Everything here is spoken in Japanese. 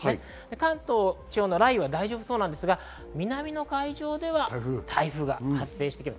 関東地方の雷雨は大丈夫そうですが南海上では台風が発生しています。